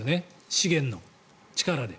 資源の力で。